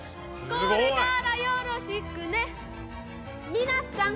「これからよろしくねみなさん」